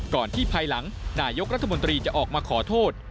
ก่อนที่ภายหลังนายกรัฐมนตรีจะออกมาขอโทษ